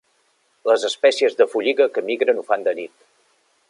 Les espècies de folliga que migren ho fan de nit.